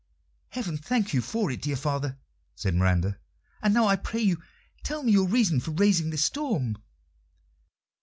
"Heaven thank you for it, dear father!" said Miranda. "And now, I pray you, tell me your reason for raising this storm."